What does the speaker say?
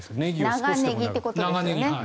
長ネギってことですよね。